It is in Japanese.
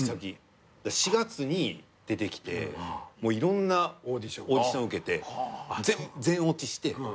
４月に出てきていろんなオーディション受けて全落ちして。